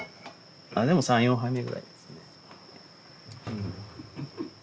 でも３４杯目ぐらいですね。